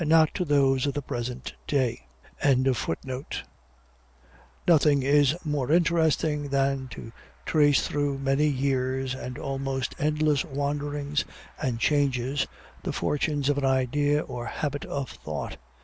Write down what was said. COLONIALISM IN THE UNITED STATES HENRY CABOT LODGE Nothing is more interesting than to trace, through many years and almost endless wanderings and changes, the fortunes of an idea or habit of thought.